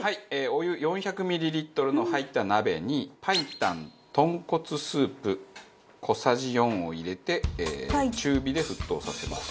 お湯４００ミリリットルの入った鍋に白湯豚骨スープ小さじ４を入れて中火で沸騰させます。